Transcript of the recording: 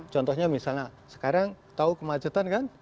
contohnya misalnya sekarang tahu kemacetan kan